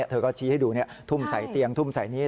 เธอก็ชี้ให้ดูทุ่มใส่เตียงทุ่มใส่นี้